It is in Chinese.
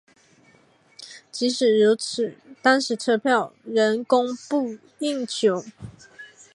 即使如此当时车票仍供不应求。